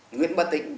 nguyễn bất tĩnh